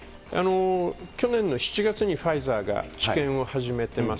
去年の７月にファイザーが治験を始めてます、